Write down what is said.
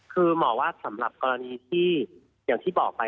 คือหมอว่าสำหรับกรณีที่อย่างที่บอกไป